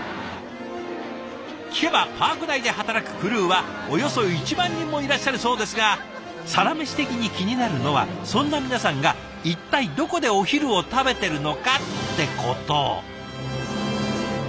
聞けばパーク内で働くクルーはおよそ１万人もいらっしゃるそうですが「サラメシ」的に気になるのはそんな皆さんが一体どこでお昼を食べてるのかってこと。